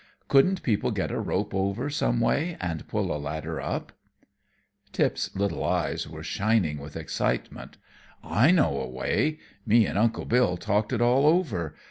Couldn't people get a rope over someway and pull a ladder up?" Tip's little eyes were shining with excitement. "I know a way. Me and Uncle Bill talked it all over.